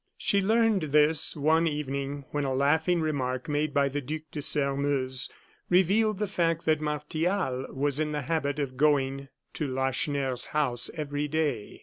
She learned this one evening, when a laughing remark made by the Duc de Sairmeuse revealed the fact that Martial was in the habit of going to Lacheneur's house every day.